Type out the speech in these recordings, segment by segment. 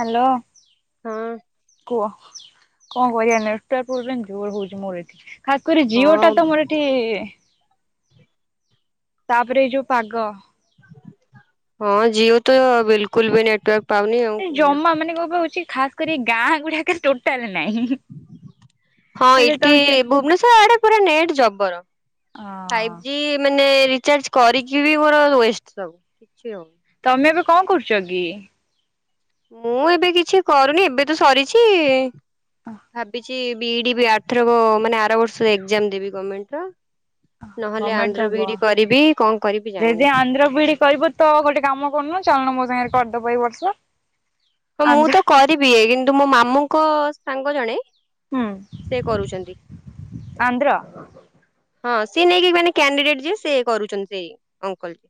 Hello ହଁ କୁହ। କଣ କରିବା ନେଟୱାର୍କ ପ୍ରୋବ୍ଲେ ଜୋର ହଉଚି ମୋର ଏଠି ଖାସ୍ କରି ଜିଓ ହଁ ଟାତ ମୋର ଏଠି ତାପରେ ଏଇ ଯୋଉ ପାଗ ହଁ ଜିଓ ତ ବିଲକୁଲ୍ ବି ନେଟବର୍କ ଏ ଜମା ମାନେ କଣ କଣ ହଉଚି ଖାସ୍ କରି ଗାଁ ଗୁଡ଼ାକ ଟୋଟାଲେ ନାହିଁ। ହଁ ହେଲେ ଏଠି ତମେ ଭୁବେନେସ୍ଵର ଆଡ଼େ ନେଟ୍ ଜବର ହଁ ଫାଇବିଯି ମାନେ ରିଚାର୍ଜ କରିକିବି ମୋର ୱଷ୍ଟ ସବୁ କିଛି ହଉନି। ତମେ ଏବେ କଣ କରୁଚକି? ମୁଁ ଏବେ କିଛି କରୁନି ଏବେତ ସରିଛି ଭାବିଛି କି ବିଡ଼ି ବି ଆରଥରକ ମାନେ ଆର ବର୍ଷ ଏକ୍ଜାମ ଦେବି ଗଣମେଣ୍ଟେର। ନହେଲେ ଗମେଣ୍ଟ ଆନ୍ଧ୍ର ଦବ। ବିଡ଼ି କରିବି କଣ କରିବି ଜାଣିନି। ଆନ୍ଦ୍ରାବିଡ଼ି କରି ତ ଗୋଟେ କାମ କରୁନୁ ଚାଲୁନ ମୋ ସାଙ୍ଗରେ କରିଦବୁ ଏଇ ବର୍ଷ? ହଁ ଆନ୍ଧ୍ର ମୁଁତ କରିବି କିନ୍ତୁ ମୋ ମାମୁଁଙ୍କ ସାଙ୍ଗ ଜଣେ ହୁଁ ସେ କରୁଚନ୍ତି। ଆନ୍ଧ୍ର ହଁ ସିଏ ନେଇକି ମାନେ କ୍ୟାଣ୍ଡିଡେଟ୍ ଯିଏ ସେ କରୁଚନ୍ତି ସେଇ ଅଙ୍କଲ ଯିଏ।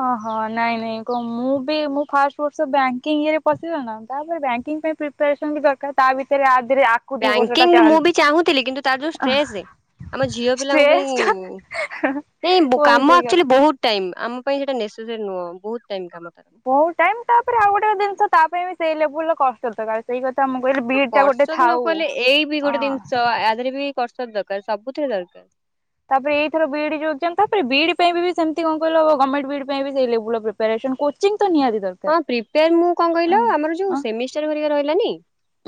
ଓହୋ ନାଇଁ ନାଇଁ କଣ ମୁଁ ବି ମୁଁ ଫାଷ୍ଟ ବର୍ଷ ବ୍ୟାଙ୍କିଙ୍ଗରେ ପଶିଗଲିନା ତାପରେ ବ୍ୟାଙ୍କିଙ୍ଗ ପାଇଁ ପ୍ରିପାରେସନ୍ ଦରକାର ତାଭିତରେ ଆଦିରେ ଆ ଆକୁ ଦି ବର୍ଷଟା ବ୍ୟାଙ୍କିଙ୍ଗ ଚାଲ ମୁଁବି ଚାହୁଁଥିଲି କିନ୍ତୁ ତାର ଯୋଉ ଷ୍ଟ୍ରେସ୍ ଆମ ଝିଅ ପିଲାଙ୍କ ପାଇଁ ଟା ନାଇଁ କୁହନି କାମ ସେଇ କଥା ଆକ୍ଚୁଆଲି ବହୁତ୍ ଟାଇମ୍ ଆମ ପାଇଁ ସେଟା ନେସେସେରି ନୁହଁ ବହୁତ୍ ଟାଇମ୍ କାମଟା ବହୁତ୍ ଟାଇମ୍ ତାପରେ ଆଉ ଗୋଟେ ଜିନିଷ ତା ପାଇଁବି ସେଇ ଲେବୁଲୁର କଷ୍ଟଦ ସେଇ କଥା ମୁଁ କହିଲି ବି କଷ୍ଟବି ନକଲେ ଏଇବି ଗୋଟେ ଜିନିଷ ଆଧରବି କଷ୍ଟ ଦରକାର୍ ସବୁଥିରେ ଦରକାର୍। ତାପରେ ଏଇଥର ବିଡ଼ି ଯୋଉ ଏଗ୍ଜାମ୍ ତାପରେ ବିଡ଼ି ପାଇଁବି ସେମିତି କଣ କହିଲ ଗମେଟ୍ ବିଡ଼ି ପାଇଁବି ସେଇ ଲେବୁଲ୍ ପ୍ରି [inaudible] କୋଚିଂ ତ ନିହାତି ଦରକାର। ହଁ ପ୍ରିପେୟାର ମୁଁ କଣ କହିଲ ଅଁ ଆମର ଯୋଉ ଅଁ ସେମିଷ୍ଟାର ଘରିକା ରହିଲାନି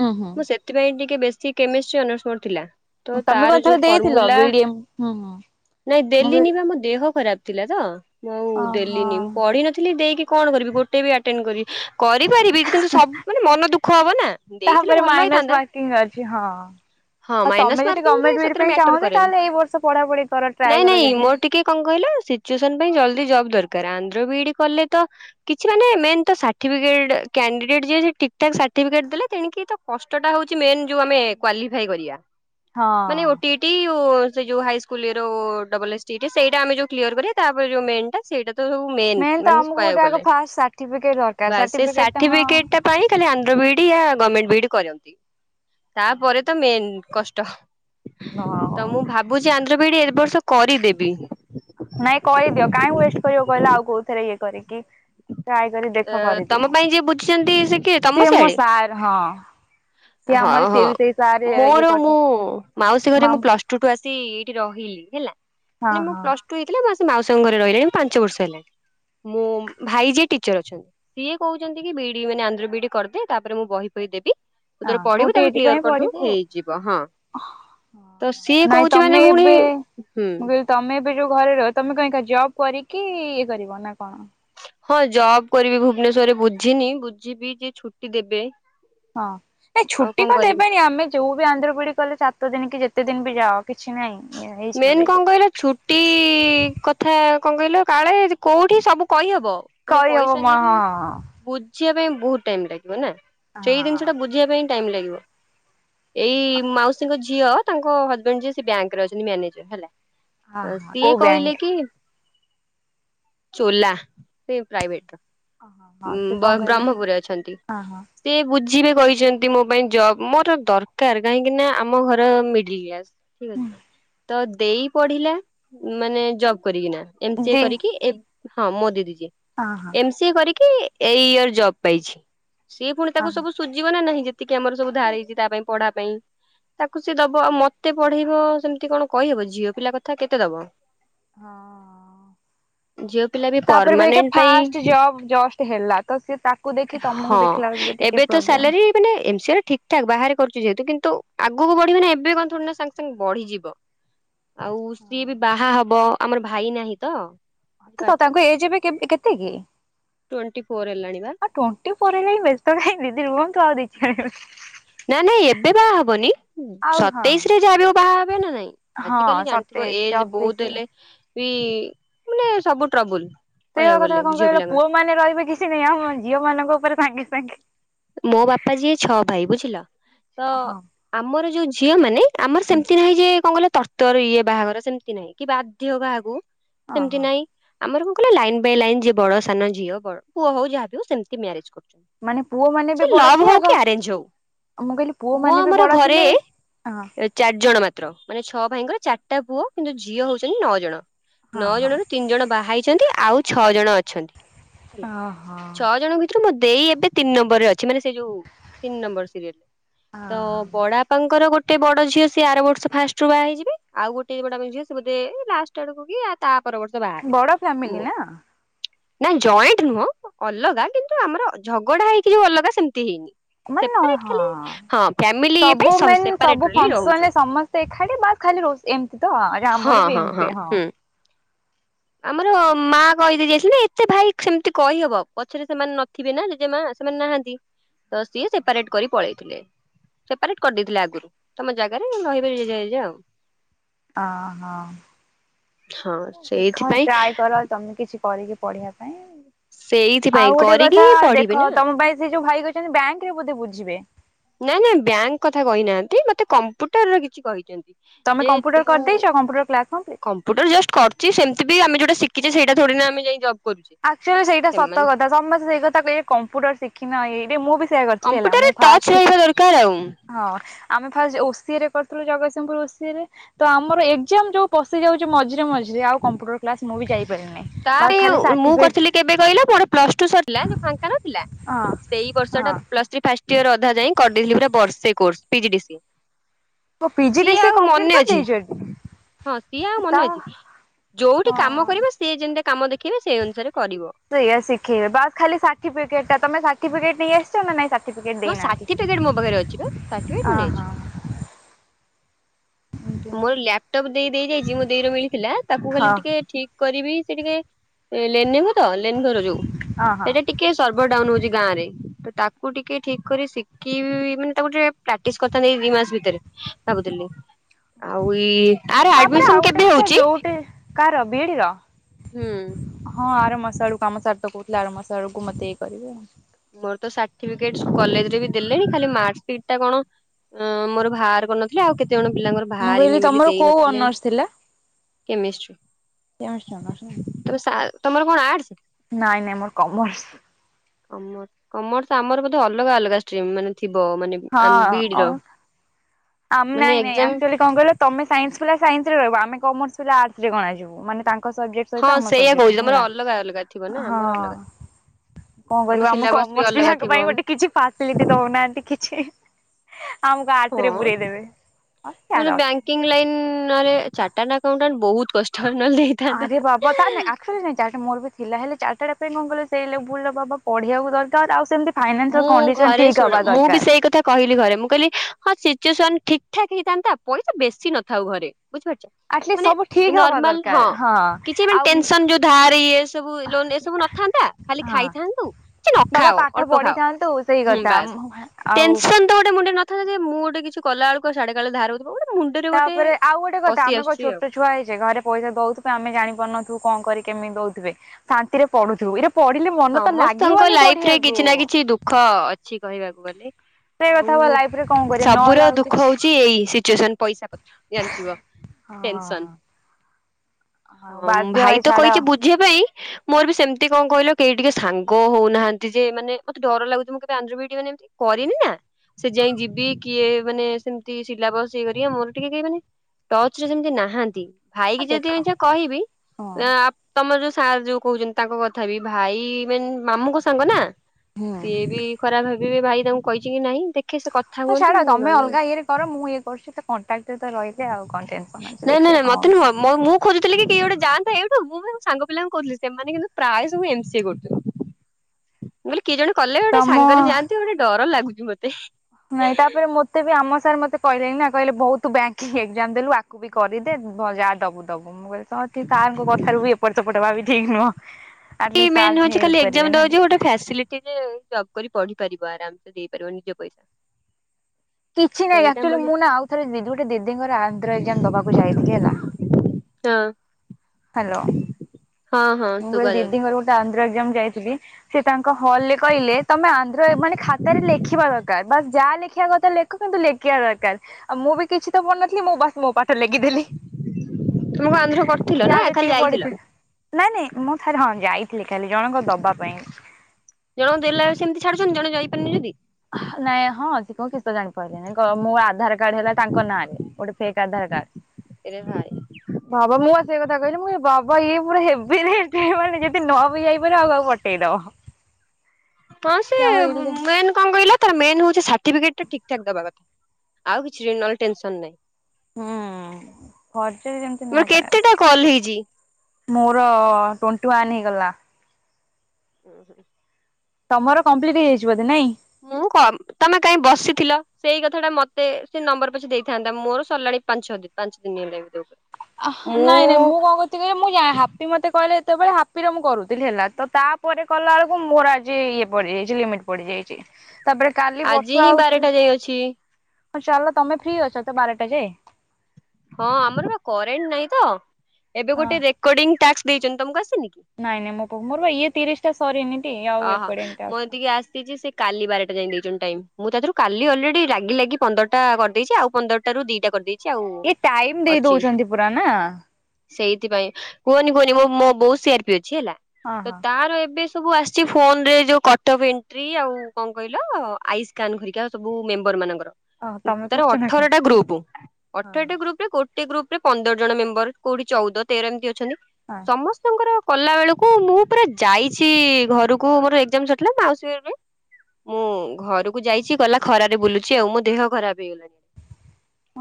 ଉଁ ମୁଁ ସେ ହୁଁ ସେଥିପାଇଁ ଟିକେ ବେଶୀ କେମିଷ୍ଟ୍ରି, ଅନର୍ସ ମୋର ଥିଲା। ତ ତମେ ତାର କଣ ଏଥର ଯୋଉ ଦେଇଥିଲ ଫର୍ମୁଲା ହୁଁ ହୁଁ ମୁଁ ନାଇଁ କହିଲି ଦେଲିନି ପା ମୋ ଦେହ ଖରାପ ଥିଲା ତ ମୁଁ ଆଉ ଓହୋ ଦେଲିିନି ମୁଁ ପଢି ନଥିଲି ଦେଇକି କଣ କରିବି ଗୋ କରି ଦେବି ଆଟେଣ୍ଡ କରି କରିପାରିବି। କିନ୍ତୁ ସବୁ ମାନେ ମନ ଦୁଃଖ ହବ ନା ଦେଇଥିଲେ ତାପରେ ଭଲ ମାଇନସ୍ ହେଇଥାନ୍ତା ମାର୍କିଂ ଅଛି ହଁ। ହଁ ଆଉ ମାଇନ ତମେ ଯଦି ମାର୍କିଙ୍ଗ ଗଭର୍ଣ୍ଣମେଣ୍ଟ ବିଡି ସେଥିରେ ପାଇଁ ମ୍ୟାଟର ଚାହୁଁଛ କରେନି ତାହେଲେ ଏଇ ବର୍ଷ ପଢାପଢି କର ଟ୍ରାଏ ନାଇଁ କର ନାଇଁ ଯଦି। ମୋର ଟିକେ କଣ କହିଲ ସିଚୁଏସନ ପାଇଁ ଜଲଦି ଜବ୍ ଦରକାର ଆନ୍ଧ୍ର ବିଇଡି କଲେ ତ କି କିଛି ମାନେ ସାର୍ଟ କ୍ୟାଣ୍ଡିଡେଟ ଯିଏ ଠିକ ଠାକ ସାର୍ଟିଫିକେଟ ଦେଲେ ତେଣିକି ତ କଷ୍ଟଟା ହଉଛି ମେନ ଯୋଉ ଆମେ କ୍ଵାଲିଫାଇ କରିବା ହଁ ମାନେ ଓଟି ଟି ସେ ଯୋଉ high school double S T T ସେଇଟା ଆମେ ଯୋଉ କ୍ଲିଅର୍ କରିବା ତାପରେ ଯୋଉ ମେନ୍ ଟା ସେଇଟା ତ ସବୁ ମେନ୍ ମାନେ କହିବାକୁ ଗଲେ ବାସ୍ ସାର୍ଟିଫିକ ବା ସେ ସାର୍ଟିଫିକେଟଟା ପାଇଁ ଖାଲି ଆନ୍ଧ୍ର ବିଇଡି ଗମେଣ୍ଟ ବିଇଡି କରନ୍ତି। ତାପରେ ତ ମେନ୍ କଷ୍ଟ ହଁ ତ ମୁଁ ଭାବ ଭାବୁଛି ଆନ୍ଧ୍ର ବି ଇ ଡି ଏ ବର୍ଷ କରିଦେବି। ନାଇଁ କହିଦିଅ କାହିଁକି ୱେଷ୍ଟ କରିବ କହିଲା ଆଉ କୋଉଥିରେ ଇଏ କରିକି ଟ୍ରାଏ କରି ଦେଖ କରିଦିଅ। ଆଛନ୍ତି ସେ କି ସେ ମୋର ସାର ହଁ। ସିଏ ହଁ ଆମର ହଁ ସିଏ ବି ସେଇ ସାର୍ ଇଏ ମୋର ମୁଁ କରିଥିଲେ। ମାଉସୀ ଘରେ ମୁଁ ମାମ୍ ପ୍ଲସ ଟୁ ଆସି ଏଇଠି ରହିଲି ହେଲା ହଁ ମାନେ ମୁଁ ହଁ ପ୍ଲସ ସେ ମାଉସୀଙ୍କ ଘରେ ରହିଲାଣି ପାଞ୍ଚ ବର୍ଷ ହେଲାଣି ମୁଁ ଭାଇ ଯିଏ ଟି ଚର ଅଛନ୍ତି ସିଏ କହୁଛନ୍ତି କି ବିଇଡି ମାନେ ଆନ୍ଧ୍ର ବିଇଡି କରିଦେ ତାପରେ ମୁଁ ବହି ଫହି ଦେବି ତୁ ତୋର ହଁ ପଢିବୁ ତାପରେ ଓଟିଇଟି ପାଇଁ କ୍ଲିୟର କରିଦବୁ ପଢିବୁ ହେଇଯିବ ହଁ। ତ ସିଏ ନାଇଁ କହୁଛି ତମେ ମାନେ ପୁଣି ଏବେ ହୁଁ ମୁଁ କହିଲି ତମେ ବି ଯୋଉ ଘରେ ରହ ତମେ କଁ ଜବ କରିକି ଇଏ କରିବ ନା କଣ? ହଁ ଜବ୍ କରିବି ଭୁବନେଶ୍ଵରରେ ବୁଝିନି ବୁଝିବି ଯେ ଛୁଟି ଦେବେ ହଁ ଏ ଆଉ ଛୁଟି କଣ କରିବି? ଦେବେନି ଆମେ ଯୋଉ ବି ଆନ୍ଧ୍ର ବି ଇ ଡି କଲେ ସାତ ଦିନ କି ଯେତେ ଦିନ ବି ଯାଅ କିଛି ନାହିଁ। ଇଏ ହେଇଯିବ ମେନ୍ ଦେଇଦେବେ କଣ କହିଲେ? ଛୁଟି କଥା କଣ କହିଲ କାଳେ କୋଉଠି ସବୁ କହିହବ? ମାନେ କହିହବ ପଇସା ମା ନେଇକି ହଁ ବୁଝିବା ପାଇଁ ବହୁତ ଟାଇମ ଲାଗିବ ନା ହଁ ସେଇ ହଁ ଜିନିଷଟା ବୁ ଝିବା ପାଇଁ ଟାଇମ ଲାଗିବ ଏଇ ମାଉସୀଙ୍କ ଝିଅ ତାଙ୍କ ହଜବେଣ୍ଡ ଯିଏ ସେ ବ୍ୟାଙ୍କରେ ଅଛ ମାନେଜର ହଁ ହେଲା ହଁ କୋଉ ସିଏ ବ୍ୟାଙ୍କ? କହିଲେ କି? ଚୋଲା ସେ ଓହୋ ହଁ ସେ କଣ ପ୍ରାଇଭେଟର କହିଲେ ବ୍ରହ୍ମପୁରରେ ଅଛନ୍ତି। ହଁ ହଁ ସେ ବୁଝିବେ କହିଛନ୍ତି ମୋ ପାଇଁ ଜବ ମୋର ଦରକାର କାହିଁକି ନା ଆମ ଘର ମିଡିଲ କ୍ଲାସ। ଠିକ ଅଛି ତ ଦେଇ ପଢିଲା ମାନେ ଜବ କରିକିନା ଏମ ସି ଏ ଦି କରିକି ହଁ ମୋ ଦିଦି ଯିଏ। ହଁ ହଁ। ଏମ୍ ସି ଏ କରିକି ଏଇ ଇୟର ଜବ ପାଇଛି ସିଏ ପୁଣି ହଁ ତାକୁ ହଁ। ସବୁ ସୁଝିବ ନା ନାହିଁ ଯେ ତିକି ଆମର ସବୁ ଧାର ହେଇଛି ତା ପାଇଁ ପଢା ପାଇଁ ତାକୁ ସେ ଦବ ଆଉ ମତେ ପଢେଇବ ସେମିତି କଣ କହିହବ ଝିଅ ପିଲା କଥା କେତେ ଦବ? ହଁ ଝିଅ ପିଲା ତାପରେ ବି ଏଇଟା ପରମାନେଣ୍ଟ ପାଇଁ ଫାଷ୍ଟ ଜବ ଜଷ୍ଟ ହେଲା। ତ ସିଏ ତାକୁ ଦେଖି ହଁ ତମକୁ ଦେଖିଲା ବେଳକୁ ବି ଟିକେ ଏବେ ତ ପ୍ରୋବ୍ଲେମ। ସାଲାରୀ ମାନେ ଏମ ସି ଏର ଠିକ୍ ଠାକ୍ ବାହାରେ କରିଛି ଯେହେତୁ କିନ୍ତୁ ଆଗକୁ ବଢିବ ନା ଏବେ କଣ ସାଙ୍ଗେ ସାଙ୍ଗେ ବଢିଯିବ? ହ ଆଉ ସିଏ ବି ବାହା ହବ ଆମର ଭାଇ ନାହିଁ ତ ତ ତ ବୁଝିପାରୁଛ, ତାଙ୍କୁ ଏଜ ଏବେ କେତେକି? ଟ୍ୱେଣ୍ଟି ଫୋର ହେଲାଣି ବା ଟ୍ୱଣ୍ଟି [unintelligible] ବ୍ୟସ୍ତ କାଇଁ ଦି ଦିନ ରୁହନ୍ତୁ ଆଉ ଦେଇ [unintelligible] ନା ନାଇଁ ଏବେ ବାହାହବନି ଆଉ ହଁ ସତେଇଶ ରେ ଯାବେ ବାହା ହେବେ ନା ନାଇଁ। ଆଜି ହଁ କାଲି ଜାଣିଥିବ ସତେଇଶ ଏଜ ବହୁତ ଚବିଶି ହେଲେ ବି ମାନେ ସବୁ ଟ୍ରବୁଲ। ସେଇ କହିବାକୁ କଥା ଗଲେ କଣ ଝିଅ କହିଲା ପିଲାଙ୍କର ପୁଅ ମାନେ ରହିବେ କିଛି ନାଇଁ ଆମ ଝିଅ ମାନଙ୍କ ଉପରେ ସାଙ୍ଗେ ସାଙ୍ଗେ ମୋ ବାପା ଯିଏ ଛଅ ଭାଇ ବୁଝିଲ ତ ହଁ ଆମର ଯୋଉ ଝିଅ ମାନେ ଆମର ସେମିତି ନାହିଁ ଯେ କଣ କଲେ ତର୍ତ୍ତର ଇଏ ବାହାଘର ସେମିତି ନାହିଁ କି ବାଧ୍ୟ କାହାକୁ ସେମିତି ଓହୋ ନାହିଁ। ଆମର କଣ କିଲ ଲାଇନ ବାଇ ଲାଇନ୍ ଯିଏ ବଡ ସାନ ଝିଅ ବଡ ପୁଅ ହଉ ଯାହା ବି ହଉ ସେମିତି ମ୍ୟାରେଜ କରୁଛନ୍ତି। ମାନେ ପୁଅ ମାନେ ସେ ବି ବଡ ଲଭ୍ ଥିଲେ ହଉ କି ଆଗ ଆରେଞ୍ଜ ହଉ ମୁଁ କହିଲି ପୁଅ ମାନେ ବି ଆମର ବଡ ଘରେ ଥିଲେ ହଁ ଚାରି ଜଣ ମାତ୍ର ମାନେ ଛଅ ଭାଇଙ୍କର ଚାରିଟା ପୁଅ କିନ୍ତୁ ଝିଅ ହଉଛନ୍ତି ନଅ ଜଣ। ହଁ ନଅ ହଁ ଜଣ ର ତିନି ଜଣ ବାହାଇଛନ୍ତି ଆଉ ଛଅ ଜଣ ଅଛନ୍ତି। ହେଲା ଓହୋ ଛଅ ଜଣଙ୍କ ଭିତରୁ ମୋ ଦେଇ ଏବେ ତିନି ନମ୍ବରରେ ଅଛି ମାନେ ସେ ଯୋଉ ତିନି ନମ୍ବର ସିରିଏଲରେ। ତ ଓହୋ ବଡା ବାପାଙ୍କର ଗୋଟେ ବଡ ଝିଅ ସିଏ ଆର ବର୍ଷ ଫାଷ୍ଟରୁ ବାହା ହେଇଯିବ ଆଉ ଗୋଟେଡ ଝିଅ ସେ ବୋେ ଲାଷ୍ଟ ଆଡକୁ ତା ପରବର୍ତ୍ତ ବାହା ହେବେ। ବଡ ଫ୍ୟାମିଲି ମୁଁ ନା ନା ଜଏଣ୍ଟ ନୁହଁ ଅଲଗା କିନ୍ତୁ ଆମର ଝଗଡା ହେଇକି ଯୋଉ ଅଲଗା ସେମିତି ହେଇନି। ମାନେ ସେପାରେଟ ହଁ ଖାଲି ହଁ ଫ୍ୟାମିଲି ଇଏ ପାଇଁ ସବୁ ମ ସ ସବୁ ସେପାରେଟଲି ରହୁଛୁ। ଫଙ୍କସନ ସମେ ଦେଖାଣି ବାସ ଖାଲି ରୋଷ ଏମିତି ତ ଆ ଆମର ବି ଏମିତି ହଁ। ଆମର ମା କହିଦେଇ ଯାଇଥିଲେ ନା ଏତେ ଭାଇ ସେମିତି କହିହବ ପଛରେ ସେମାନେ ନଥିବେ ନା ଯେ ମା ସେମାନେ ନାହାନ୍ତି ତ ସିଏ ସେପାରେଟ କରି ପଳେଇଥିଲେ। ସେପାରେଟ କରିଦେଇଥିଲେ ଆଗରୁ ତମ ଜାଗାରେ ରହିବେ ଯେଝା ଯେଝା ଆଉ। ଓହୋ ହଁ ଶିଖ ସେଇଥିପାଇଁ ଟ୍ରାଏ କର ତମେ କିଛି କରିକି ପଢିବା ପାଇଁ ସେଇଥିପାଇଁ ଆଉ ଗୋଟେ କରିକି କଥା ହିଁ ପଢିବେ ଦେଖ ନା। ତମ ପାଇଁ ସେ ଯୋଉ ଭାଇ କହିଛନ୍ତି ବ୍ୟାଙ୍କ୍ ରେ ବୋଧେ ବୁଝିବେ। ନାଇଁ ନାଇଁ ବ୍ୟାଙ୍କ କଥା କହିନାହାନ୍ତି ମତେ କମ୍ପ୍ୟୁଟର କିଛି କହିଛନ୍ତି। ତମେମ୍ୁଟ କରିଦେଇଛ କମ୍ପୁଟର କ୍ସ କମ୍ପଟ ଟୋଟା ଜଷ୍ଟ କରିଛି ସେମତି ବିମେ ଯଉଟ ଶିଖିେ ସେଇଟାଥ ଆମ ଯାଇ କରୁଛେ। ଆକ୍ଚୁଆଲି ସେଇଟା ସତ ସେମାନେ କଥା ସମସ୍ତେ ସେଇ କଥା କହିଲେ କମ୍ପ୍ୟୁଟର ଶିଖିିନଁ ଏଇ ମୁଁ ବି ସେଇଆ କରିଥିଲି ହେଲା କମ୍ପ୍ୟୁଟରରେ ମୁଁ ଫାଷ୍ଟ ଟଚ ରହିବା ଦରକାର ଆଉ। ହଁ ଆମେ ଫାଷ୍ଟ ଓସିଏ ରେ କରିଥିଲୁ ଜଗତସିଂହପୁର ଓସିଏରେ ତ ଆମର ଏଜାମ ଯୋଉ ପଶିଯାଉଛି ମଝିରେ ମଝିରେ ଆଉ କମ୍ପ୍ୟୁଟର କ୍ଲାସ୍ ମୁଁ ବି ଯାଇପାରିନିଁ। ତା ମୁଁ କରିଥିଲି କେବେ କହିଲା ପୋର ପ୍ଲସ ଟୁ ସରିଥିଲା ଯୋଉ ଫାଙ୍କା ନଥିଲା। ସେଇ ହଁ ବର୍ଷ ଟା ହଁ। ପ୍ଲସ ଫ ଇୟର ଅଧା ଯାଇ କରିଦେଇଥିଲି ପୁରା ବର୍ଷେ କୋସ ପିଡି ସ ତ ପିଜି ଦେଇ ସେ କମ୍ପ୍ଲିଟ୍ କରିଦେଇଛ କି? ହଁ ସିଏ ଆଉ ମନେ ଅଛି ଯୋଉଠି କାମ ହଁ। କର ସିଏ ଯେମିତି କାମ ଦେଖେଇବେ ସେଇ ଅନୁସାରେ କରିବ। ସେଇ ଶିଖିେ ବସ୍ ଖଲି ସାର୍ଟିଫିକେଟ ତେ ସାର୍ଟିଫିକେଟ ନେଇ ଆସଛ ନା ନାଇଁ। ସର୍ଟିଟିଫିକେଟ୍ ହଁ ସାର୍ଟିଫିକେଟ ମୋ ପାଖରେ ଅଛି ବା ଦନାନ୍ତି ସାର୍ଟିଫିକେଟ ହ ମୁଁ ନେଇଛି। ହଁ। ମୋର ଲାପଟପ୍ ଦେଇ ଦେଇ ଯାଇଛି ମୋ ଦେଇ ର ମିଳିଥିଲା ତାକୁ ଖାଲି ହଁ ଟିକେ ଠିକ କରିବି ସେ ଟିକେ ଲେନ ନେବ ତ ଲେନଘର ଯୋ ହଁ ହଁ ସେଟା ଟିକେ ଟିକେ ସର୍ଭରଡାଉନ ହଉଛି ଗାଁରେ ତାକୁ ଟିକେ ଠିକ କରି ଶିଖିି ମାନେ ତାକୁ ଟିକେ ପ୍ରାକ୍ଟିସ କରିଥାନ୍ତି ଏ ଦି ମାସ ଭିତରେ ଭାବୁଥିଲି। ଆଉଇ ଆ ଆଡମିସନ କେବେ ହଉଛି? ଏେ କାହାର ବିଡିର ହୁଁ। ହଁ ଆର ମଶା ବେଳକୁ କାମ ସାର୍ ତ କହୁଥିଲେ ଆର ମଶା ବେକୁ ମୋତେ ଏଇ କରିବ ଆଉ। ମୋର ତ ସାର୍ଟିଫିକେଟ କଲେଜରେ ବି ଦେଲେଣିି ଖାଲି ମ ଟା କଣ? ଅ ମୋର ବାହାର କରିନଥିଲା ଆଉ କେତେ ଜଣ ପିଲାଙ୍କର ମୁଁ କହିଲି ବାହାରିନି ବୋଲି ତମର ଦେଇ କୋଉ ନଥିଲେ ଅନର୍ସ ଥିଲା କେମିଛୁ କେମିଷ୍ଟ୍ରି ଅନର୍ସ ନା ତମ ସା ତମର କଣ ଆର୍ଟସ? ନାଇଁ ନାଇଁ ମୋର କମର୍ସ। କମ କମର୍ସ ଆମର ଅଲଗା ଅଲଗା ଷ୍ଟ୍ରିମ ମାନେ ଥିବ ମାନେ ବିଡି ର ହଁ ଆମ୍ ମାନେ ନାଇଁ ନାଇଁ ଏକ୍ଜାମ ଆକ୍ଚୁଆଲି କଣ କହିଲ ତମେ ସାଇନ୍ସ ପିଲା ସାଇନ୍ସରେ ରହିବ ଆମେ କମର୍ସ ପିଲା ଆଡର୍ସରେ ଗଣାଯିବୁ ମାନେ ତାଙ୍କ ସବଜେକ୍ଟ ସହିତ ହଁ ଆମ ସେଇଆ ସବଜେଟ୍ କହୁଛି ତମର ହେଲା ଅଲଗା ଅଲଗା ଥିବ ନା ହଁ। ଆମର ଅଲଗା କଣ କରିବା ଆମ ସିଲାବସ ବି କମର୍ସ ଅଲଗା ପିଲାଙ୍କ ଥିବ ପାଇଁ ଗୋଟେ କିଛି ଫାସ୍ ଲିଟି ଦଉନାହାନ୍ତି କିଛି ଆମକୁ ଆର୍ଡସ ରେ ପୁରେଇ ଦେବେ ହ ତୁ ଛାଡ। ନହେଲେ ବ୍ୟାଙ୍କ୍ କିଙ୍ଗ ଲାଇନ୍ ନହେଲେ ଚଟାର୍ଡଆକାଉଡେଣ୍ଟ ବହୁତ କଷ୍ଟ ନହେଲେ ଦେଇଥାନ୍ତ ଆରେ ବାବା ତାହନେ ଆ [unintelligible] ଚାଟ୍ ମୋର ବି ଥିଲା ହେଲେ ଚଟାର୍ଡଆକାଉଡେଣ୍ଟ କଣ କହିଲ ସେଇ ଲେବୁଲର ବାବା ପଢିବାକୁ ଦରକାର ଆଉ ସେମିତି ଫାଇନାନ୍ସିଆଲ ମୁଁ କଣ୍ଡିସନ ଘରେ ଠିକ ଶୁଣ ହବା ମୁଁ ବି ଦରକାର। ସେଇ କଥା କହିଲି ଘରେ ମୁଁ କହିଲି ହଁ ସିଚୁଏସନ ଠିକ୍ ଠାକ୍ ହେଇଥାନ୍ତା ପଇସା ବେଶୀ ନଥାଉ ଘରେ ବୁଝିପାରୁଚ? ଆଟଲିଷ୍ଟ ମାନେ ସବୁ ଠିକ ହବା ନର୍ମାଲ ଦରକାର ହଁ କିଛି ମାନେ ଆଉ ଟେନସନ୍ ଯୋଉ ଧାର ଇଏ ସବୁ ଲୋନ୍ ଏ ସବୁ ନଥାନ୍ତା ଖାଲି ହଁ ଖାଇଥାନ୍ତୁ କି ନ ବାବା ଖାଅ ପାଠ ଅଳ୍ପ୍ ପ ଖାଅ ପଢିଥାନ୍ତୁ ସେଇ ହୁଁ କଥା ବାସ୍ ଆଉ ଟେନସନ୍ ତ ଗୋଟେ ମୁଣ୍ଡରେ ନ ଥାନ୍ତା ଯେ ମୁଁ ଗୋଟେ କିଛି କଲାବେଳକୁ ସାଢେ କାଳେ ଧାର ହଉଥିବ ଗୋଟେ ମୁଣ୍ଡରେ ଗୋଟେ ତାପରେ ଆଉ ଗୋଟେ କଥା ପଶି ଆମେ କଣ ଆସୁଛି ଆଉ ଛୋଟଛୁ ଛୁଆ ହେଇଚେ ଘରେ ପଇସା ଦଉଥିବେ ଆମେ ଜାଣିପାରୁନଥିବୁ କଣ କରି କେମିତି ଦଉଥିବେ ଶାନ୍ତିରେ ପଢୁଥିବୁ ଇଟା ପଢିଲେ ମନ ତ ସମସ୍ତଙ୍କ ଲାଗିବନି ଲାଇଫ ରେ ପଢିବାକୁ କିଛି ନା କିଛି ଦୁଃଖ ଅଛି କହିବାକୁ ଗଲେ ସେ କଥା ବା ଆଉ ଲାଇଫ ରେ କଣ କରିବା ନହେଲେ ସବୁର ଆଉ ଦୁଃଖ କିଛି ହଉଚି ଏଇ ସି ସିଚୁଏସନ୍ ପଇସା କଥ ଜାଣିଥିବ ହଁ ଟେନସନ୍ ଆଉ ହଁ ବାଧ୍ୟ ଭାଇ ହେଇ ତ ଛାଡ କହିଚି ବୁ୍ଝ୍ ଝିବା ପାଇଁ ମୋର ବି ସେମିତି କଣ କହିଲ କେହି ଟିକେ ସାଙ୍ଗ ହଉନାହାନ୍ତି ଯେ ମାନେ ମତେ ଡର ଲାଗୁଚି ମୁଁ କେବେ ଆନ୍ଧ୍ର ବିଡି ମାନେ ଏମତି କରିନି ନା ସେ ଯାଏଁ ଯିବି କିଏ ମାନେ ସେମିତି ସିଲାବସ୍ ଇଏହରିକା ମୋର ଟିକେ କେହି ମାନେ ଟଚ୍ ରେ ସେମିତି ନାହାନ୍ତି। ଭାଇ ଆଉ କିି ଯଦି ଦେଖ ଏଇଁଖା କହିବି ହଁ ଆଁ ତମର ଯୋଉ ସାର୍ ଯୋଉ କହୁଚନ୍ତି ତାଙ୍କ କଥା ବି ଭାଇ ମାନେ ମାମୁଁଙ୍କ ସାଙ୍ଗ ନା ହୁଁ। ସିଏ ବି ଖରାପ ଭାବି ବେ ଭାଇ ତାଙ୍କୁ କହିଚି କି ନାଇଁ ଦେଖେ ସେ କ ହଁ ଛାଡ ତମେ ଅଲଗା ଇଏରେ କର ମୁଁ ଇଏ କରୁଚି ତ କଣ୍ଟାଟରେ ରହିଲେ ଆଉ କଣ ଟେନସନ୍ ଅଛି ନାଇଁ ନାଇଁ ଦେଖିଆ ନାଇଁ କଣ ମତେ ନୁହଁ ହଉଚି। ମୋ ମୁଁ ଖୋଜୁଥିଲି କି କିଏ ଗୋଟେ ଯାଆନ୍ତା ଏଇଠୁ ମୁଁ ବି ମୋ ସାଙ୍ଗ ପିଲାଙ୍କୁ କହୁଥିଲି ସେମାନେ କିନ୍ତୁ ପ୍ରାୟ ସବୁ ଏମ୍ ସିଏ କରୁଚନ୍ତି। [unintelligible] ମୁଁ କହିଲି କିଏ ଜଣେ କଲେ ଗୋଟେ ସାଙ୍ଗରେ ତମ ଯାଆନ୍ତି ଗୋଟେ ଡର ଲାଗୁଚି ମତେ। ନାଇଁ ତାପରେ ମୋ ତେବେ ଆମ ସାର୍ ମୋତେ କହିଲେଣି ନା କହିଲେ ବହୁତ ବ୍ୟାଙ୍କିଙ୍ଗି ଏଗକ୍ଜାମ ଦେଲୁ ଆକୁ ବି କରିଦେ ବ ଯାହା ଦେବୁ ଦେବୁ ମୁଁ କହିଲି ତ ଟିକେ ସାର୍ ଙ୍କ କଥାରୁ ବି ଏପଟ ସେପଟ ହବାବି ଠିକ୍ ନୁହଁ। ସେଠି ଆଟଲିଷ୍ଟ ମେନ୍ ସାର୍ ହଉଚି ହେଲ୍ପ ଖାଲି କରିବେ ଏକ୍ଜାମ ନା ଦବାକୁ ଯିବୁ ଟିକେ। ଗୋଟେ ଫ୍ୟାସଲିଟ [unintelligible] ଜବ୍ କରି ପଢି ପାରିବ ଆରାମସେ ଦେଇପାରିବ ନିଜ ପଇସା। କିଛି ନାଇଁ ସେଇଟା ଆକଚୁଆଲି ମାନେ ମୁଁ ନା ଆଉ ଥରେ ଦିଦି ଗୋଟେ ଦିଦିଙ୍କର ଆନ୍ଦ୍ର ଏକ୍ଜାମ ଦବାକୁ ଯାଇଥିଲି ହେଲା ହଁ ହ୍ୟାଲୋ ହଁ ହଁ ଶୁବାଯାଉଚି। ତା ଆନ୍ଧ୍ର ଏକଜାମ୍ ଯାଇଥିଲି ସେ ତାଙ୍କ ହଲରେ କହିଲେ ତମେ ଆନ୍ଧ୍ର ଏ ମାନେ ଖାତାରେ ଲେଖିବା ଦରକାର ବାସ୍ ଯାହା ଲେଖିବା କଥା ଲେଖ କିନ୍ତୁ ଲେଖିବା ଦରକାର ଆଉ ମୁଁ ବି କିଛି ତ ପଢିନଥିଲି ମୁଁ ବାସ ମୋ ପାଠ ଲେଖିଦେଲି। ତମେ କଣ ଆନ୍ଧ୍ର କରିଥିଲ ନା ଯାହା ଯେତିକି ଖାଲି ଯାଇଥିଲ? ପଡିଥିଲା। ନାଇଁ ନାଇଁ ମୁଁ ଥରେ ହଁ ଯାଇଥିଲି ଖାଲି ଜଣଙ୍କ ଦବା ପାଇଁ। ଜଣଙ୍କୁ ଦେଲାବେଳେ ସେମତି ଛାଡୁଚନ୍ତି ଜଣେ ଯାଇପାରୁନି ଯଦି? ନାଇଁ ହଁ ଯିବ କିଛି ସେ ଜାଣି ପାରିଲେନି କ ମୋ ଆଧାର କାର୍ଡ ହେଲା ତାଙ୍କ ନାଁରେ ଗୋଟେ ଫେକ୍ ଆଧାର କାର୍ଡ ଇରେ ଭାଇ। ବାବା ମୁଁ ବା ସେଇ କଥା କହିଲି ମୁଁ ବାବା ଇଏ ପୁରା ହେବିିରେଟ ଏ ମାନେ ସିଏ ବି ନ ବି ଯାଇପାରେ ଆଉ କାହାକୁ ପଠେଇଦବ। କଣ ସେ ଆମ ରିଲ୍ ରେ ମେନ୍ କଣ କଇଲ ତାର ମେନ୍ ହଉଚି ସାର୍ଟିଫିକେଟ ଟା ଠିକ ଠାକ ଦବା କଥା ଆଉ କିଛି ନହଲେ ଟେନସନ ନାହିଁ। ହୁଁ। ଫର୍ଜରୀ ଯେମିତି ନ ତମ ପାଏ କେତେଟା କଲ ହେଇଚି? ମୋର ଟ୍ୱେଣ୍ଟି ୱନ୍ ହେଇଗଲା। ଓୁଁ ହୁଁ। ତମର କଂପ୍ଲିଟ୍ ହେଇଯାଇିଚି ବୋଧେ ନାଇଁ? ମୁଁ କମ୍ ତମେ କାଇଁ ବସିଥିଲ ସେଇ କଥା ଟା ମତେ ସେ ନମ୍ବର ପଛ ଦେଇଥାନ୍ତା ମୋର ସରିଲାଣି ପାଞ୍ଚ ଛ ଦିନ ପାଞ୍ଚ ଦିନି ହେଲାଣି। ଅ ହ ନାଇଁ ନାଇଁ ମୁଁ କ ମୁଁ ଯାଏ ହାପି ମତେ କହିଲେ ଏତେବେଳେ ହାପିର ମୁଁ କରୁଥିଲ ହେଲା ତ ତାପରେ କଲା ବେଳକୁ ମୋର ଆ ଜି ଇଏ ପଡିଯାଇଚି ଲିମିଟ ପଡିଯାଇଚି ତାପରେ କାଲି ଆଜି ବର୍ଷା ହିଁ ଆଉଥ ବାରଟା ଯାଇ ଅଛି ହଁ ଚାଲ ତମେ ଫ୍ରି ଅଛ ତ ବାରଟା ଯାଏ? ହଁ ଆମର ବା କରେଣ୍ଟ ନାଇଁ ତ ଏବେ ହଁ ଗୋଟେ ରେକର୍ଡିଙ୍ଗ ଟାକ୍ସ ଦେଇଛନ୍ତି ତମକୁ ଆସନି। ନାଇଁ ନାଇଁ ମୋ ପାଖକୁ ମର ବା ଏ ତିରିଶଟା ସରିନି ତି ଆଉ ଅହ ରେକଡ଼ିଂ ଟାସ [unintelligible] କାଲି ବାରଟା ଯାଇ ଦେଇଚନ୍ତି ଟାଇମ ମୁଁ ତାରୁ କାଲି ଅଲରେଡି ରାଗି ଲାଗି ପନ୍ଦରଟା କରିଦେଇଚି ଆଉ ପନ୍ଦର ଟା ରୁ ଦିଟା କରିଦେଇଚି ଆଉ ଏ ଟାଇମ ଦେଇ ଅଛି ଦଉଚନ୍ତି ପୁରା ନା। ସେଇଥିପାଇଁ କୁହନି କୁହନି ମୋ ବହୁତ ସି ଆର ପି ଅଛି ହେଲା। ହଁ ତ ହଁ ତାର ଏବେ ସବୁ ଆସିଚି ଫୋନରେ ଯେଉ କଟ୍ ଅଫ୍ ଏଣ୍ଟ୍ରି ଆଉ କଣ କହିଲ ଆଇସ୍କାନ ଖରିକା ସବୁ ମେମ୍ବର ମାନଙ୍କର। ଓହୋ ତମେ ତାର କରୁଛ ନା କଣ? ଅଠରଟା ଗ୍ରୁପ। ଗୋଟେ ଗୋଟେ ହଁ ଗ୍ରୁପ ରେ ଗୋଟେ ଗ୍ରୁପ ରେ ପନ୍ଦର ଜଣ ମେମ୍ବର କୋଉଠି ଚଉଦ ତେର ଏମିତି ଅଛନ୍ତି। ହଁ। ସମସ୍ତଙ୍କର କଲା ବେଳକୁ ମୁଁ ପୁରା ଯାଇଚି ଘରକୁ ମୋର ଏକ୍ଜାମ ସରିଥିଲା ମାଉସୀ ଘରେ ରୁଏ। ମୁଁ ଘରକୁ ଯାଇଚି ଗଲା ଖରାରେ ବୁଲୁଚି ଆଉ ମୋ ଦେହ ଖରାପ ହେଇଗଲାଣି।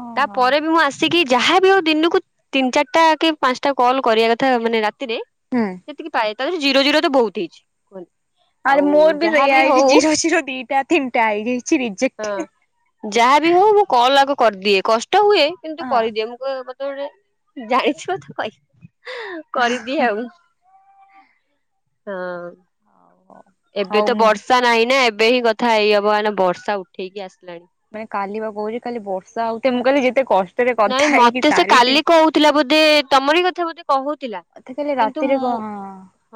ଓହୋ ପରେ ବି ମୁଁ ଆସିି ସିକି ଯାହାବ ଆଉ ଦିନକୁ ତିନି ଚାରିଟା କି ପାଞ୍ଚଟା କଲ କରିବା କଥା ମାନେ ରାତିରେ ହୁଁ। ସେତିକି ପାଏ ତାରେ ଜିରୋ ଜିର ତ ବହୁତ ହେଇଚି। ଆରେ ମୋର ବି ସେଇଆ ହେଇଚି ଜିରୋ ଜିରୋ ଦିଟା ତିନିଟା ହେଇଯାଇଚି ରିଯେକ୍ଟ। ଯାହାବି ହଉ ମୁଁ କଲ ଆଗ କରିଦିଏ କଷ୍ଟ ହୁଏ କିନ୍ତୁ ହଁ ହଉ କରିଦିଏ। ମୁଁ [unintelligible] ଜାଣିଛ ତ କହି କରିଦିଏ ଆଉ। ହଁ। ଓ ଏବେ ତ ବର୍ଷା ନାହିଁ ନା ଏବେ ହିଁ କଥା ହେଇ ହବ କାନ ବର୍ଷା ଉଠେଇକି ଆସିଲାଣି। ମାନେ କାଲି ବା କହୁଚି କାଲି ବର୍ଷା ହଉଥାଏ ମୁଁ କାଲି ଯେତେ କଷ୍ଟ ନାଇଁ ମତେ ସେ କାଲି କହୁଥିଲା ବୋଧେ ତମରି କଥା ବୋଧେ କହୁଥିଲା। ମତେ କହିଲେ କିନ୍ତୁ ରାତିରେ ମୁଁ କଣ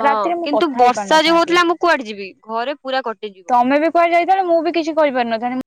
ହଁ ରାତିରେ ମୁଁ କିନ୍ତୁ କଥା ହେଇ ବର୍ଷା ଯୋଉ ପାରିନଥାନ୍ତି ହଉଥିଲା ଆଉ। ଆ ମୁ କୁଆଡେ ଯିବି ଘରେ ପୁରା କ ତମେ ବି କୁଆଯାଇଥାନ୍ତ ତେଲେ ମୁଁ ବି କିଛି କହିପାରିନଥାନ୍ତି।